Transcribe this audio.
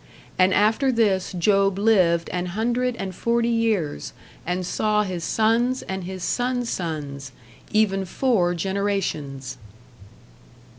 And after this Job lived an hundred and forty years, and saw his sons and his sons' sons, even four generations."